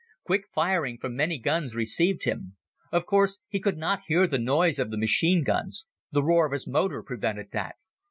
Quick firing from many guns received him. Of course he could not hear the noise of the machine guns. The roar of his motor prevented that.